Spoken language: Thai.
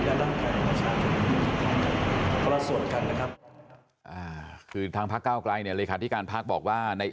ลิขทั้งครับคือทางพระก้าวกลายนี่ริขาที่การบอกว่าใน